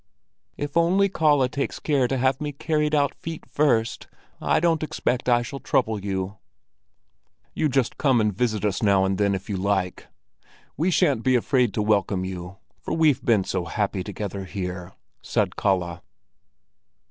If only Kalle takes care to have me carried out feet first, I don't expect I shall trouble you." "Just you come and visit us now and then if you like! We shan't be afraid to welcome you, for we've been so happy together here," said Kalle.